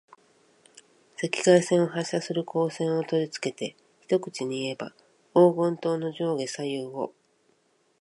赤外線を発射する光線をとりつけて、一口にいえば、黄金塔の上下左右を、目に見えぬ赤外光線のひもでつつんでしまってあるわけです。